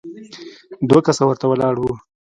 دوه کسه ورته ولاړ وو.